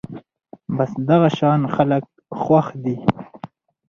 بس دغه شان خلک خوښ دي